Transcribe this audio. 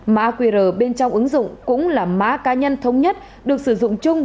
mã qr bên trong ứng dụng cũng là mã cá nhân thống nhất được sử dụng chung